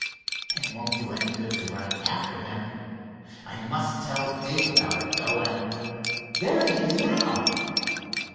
It won't do any good to run after him. I must tell Dave about it, though, and—there he is now."